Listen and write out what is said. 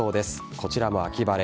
こちらも秋晴れ。